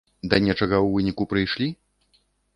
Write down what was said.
Да нечага ў выніку прыйшлі?